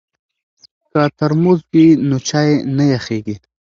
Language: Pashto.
که ترموز وي نو چای نه یخیږي.